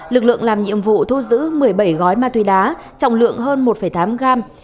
lực lượng làm nhiệm vụ thu giữ một mươi bảy gói ma túy đá trọng lượng hơn một tám gram